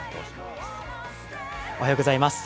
おはようございます。